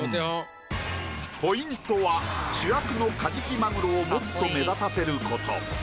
ポイントは主役のカジキマグロをもっと目立たせること。